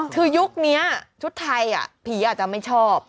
คือยุคนี้ชุดไทยผีอาจจะไม่ชอบ